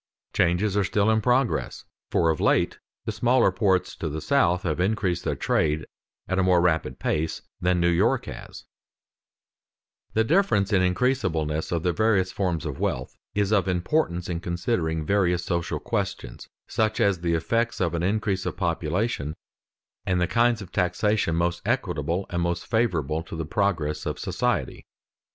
Changes are still in progress, for of late the smaller ports to the south have increased their trade at a more rapid pace than New York has. [Sidenote: Goods ranged on a scale of increasableness] The difference in increasableness of the various forms of wealth is of importance in considering various social questions such as the effects of an increase of population, and the kinds of taxation most equitable and most favorable to the progress of society.